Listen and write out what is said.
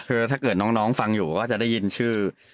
คือถ้าเกิดน้องฟังอยู่ก็จะได้ยินชื่อ